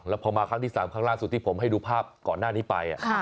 แล้วพอมาครั้งที่๓ครั้งล่าสุดที่ผมให้ดูภาพก่อนหน้านี้ไป